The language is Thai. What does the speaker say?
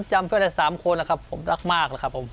จำเพื่อนแหละสามคนนะครับผมรักมากแล้วครับผม